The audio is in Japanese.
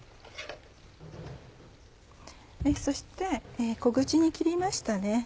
そして小口に切りました